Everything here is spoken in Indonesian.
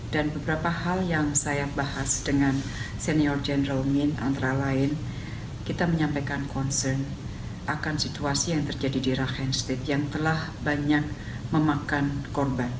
dan beberapa hal yang saya bahas dengan senior general min antara lain kita menyampaikan concern akan situasi yang terjadi di rakhine state yang telah banyak memakan korban